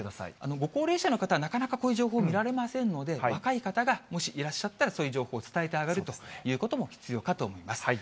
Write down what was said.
ご高齢者の方、なかなかこういう情報見られませんので、若い方がもしいらっしゃったら、そういう情報伝えてあげるということも必要かと思います。